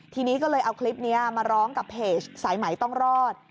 ทีนี้ก็เลยเอาคลิปนี้มาร้องกับเพจสายไหมต้องรอด